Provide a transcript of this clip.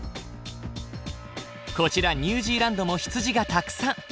こちらニュージーランドも羊がたくさん。